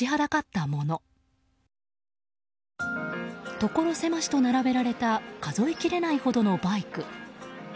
ところ狭しと並べられた数えきれないほどのバイク。